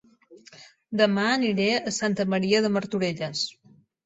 Dema aniré a Santa Maria de Martorelles